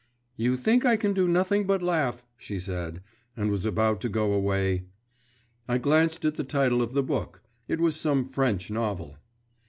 'You think I can do nothing but laugh,' she said, and was about to go away.… I glanced at the title of the book; it was some French novel.